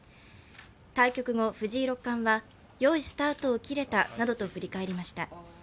対局後、藤井六冠は「良いスタートを切れた」などと振り返りました。